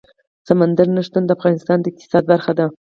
سمندر نه شتون د افغانستان د اقتصاد برخه ده.